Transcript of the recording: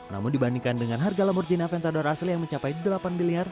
namun dibandingkan dengan harga lamborghini aventador asli yang mencapai delapan bilyar